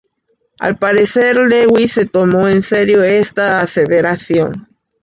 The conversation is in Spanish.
Al parecer Lewis se tomó en serio esta aseveración.